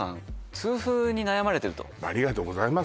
痛風に悩まれてるとありがとうございます